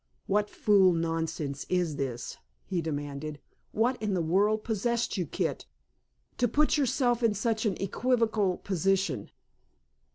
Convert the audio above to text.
"What fool nonsense is this?" he demanded. "What in the world possessed you, Kit, to put yourself in such an equivocal position?